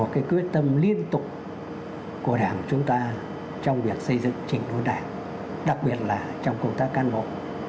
viết tâm liên tục của đảng chúng ta trong việc xây dựng chỉnh đối đảng đặc biệt là trong công tác cán bộ